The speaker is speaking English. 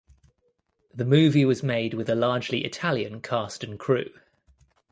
The movie was made with a largely Italian cast and crew.